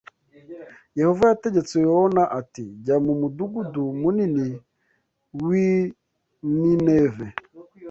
Yehova yategetse Yona ati jya mu mudugudu munini w’i Nineve